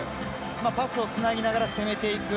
パスをつなぎながら攻めていく。